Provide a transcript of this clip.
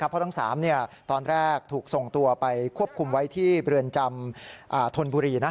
เพราะทั้ง๓ตอนแรกถูกส่งตัวไปควบคุมไว้ที่เรือนจำธนบุรี